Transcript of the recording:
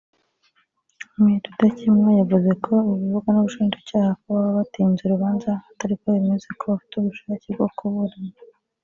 Me Rudakemwa yavuze ko ibivugwa n’Ubushinjacyaha ko baba batinza urubanza atariko bimeze ko bafite ubushake bwo kuburana